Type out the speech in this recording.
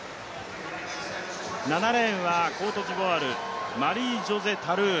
７レーンはコートジボワールマリージョセ・タルー。